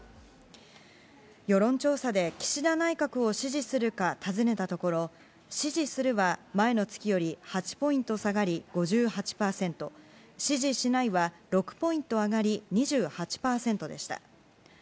世論調査で岸田内閣を支持するか尋ねたところ「支持する」は前の月より８ポイント下がり５８％「支持しない」は６ポイント上がり２８％でした。